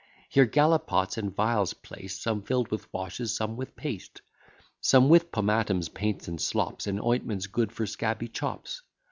Here gallipots and vials placed, Some fill'd with washes, some with paste; Some with pomatums, paints, and slops, And ointments good for scabby chops.